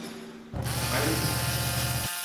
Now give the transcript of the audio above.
Ayrıldım.